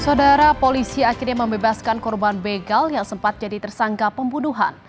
saudara polisi akhirnya membebaskan korban begal yang sempat jadi tersangka pembunuhan